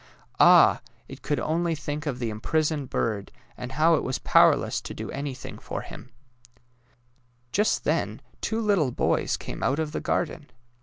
Ah! it could only think of the imprisoned bird, and how it was powerless to do anything for hmi. Just then two little boys came out of the garden.